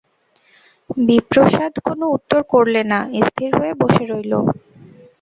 বিপ্রদাস কোনো উত্তর করলে না, স্থির হয়ে বসে রইল।